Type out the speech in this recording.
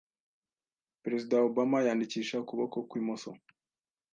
Perezida Obama yandikisha ukuboko kw’imoso.